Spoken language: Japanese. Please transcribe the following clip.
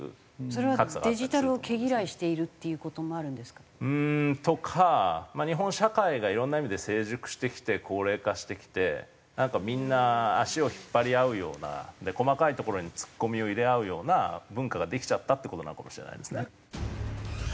それはデジタルを毛嫌いしているっていう事もあるんですか？とか日本社会がいろんな意味で成熟してきて高齢化してきてなんかみんな足を引っ張り合うような細かいところに突っ込みを入れ合うような文化ができちゃったって事なのかもしれないですね。